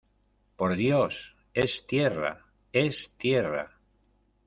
¡ por Dios, es tierra , es tierra!